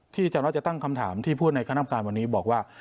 ที่จังรถจะตั้งคำถามที่พูดในข้างน้ำการวันนี้บอกว่า